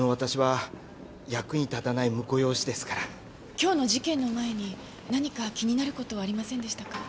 今日の事件の前に何か気になる事はありませんでしたか？